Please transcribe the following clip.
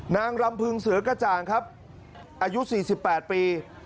นางรำพึงเสือกระจ่างครับอายุ๔๘ปี